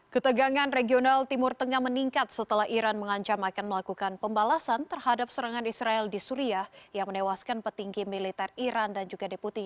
ketegangan regional timur tengah meningkat setelah iran mengancam akan melakukan pembalasan terhadap serangan israel di suria yang menewaskan petinggi militer iran dan juga deputi